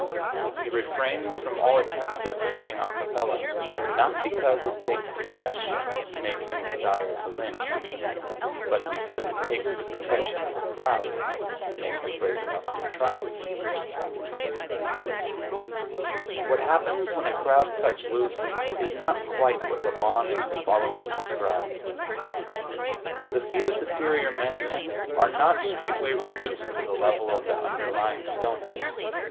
He refrains from all attempts at lynching a cappella, not because it takes suggestion to make him desire to lynch, but because it takes the protection of a crowd to make him brave enough to try it. What happens when a crowd cuts loose is not quite what Le Bon and his followers describe. The few superior men in it are not straightway reduced to the level of the underlying stoneheads.